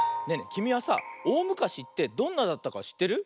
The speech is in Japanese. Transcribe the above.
きみはさおおむかしってどんなだったかしってる？